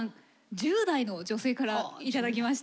１０代の女性から頂きました。